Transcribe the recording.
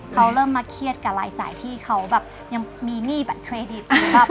เขาเริ่มมาเครียดกับรายจ่ายที่เขาแบบยังมีหนี้บัตรเครดิต